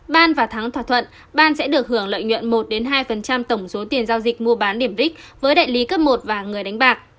ban và thắng thỏa thuận ban sẽ được hưởng lợi nhuận một hai tổng số tiền giao dịch mua bán điểm rich với đại lý cấp một và người đánh bạc